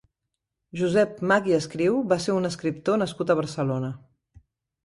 Josep Mach i Escriu va ser un escriptor nascut a Barcelona.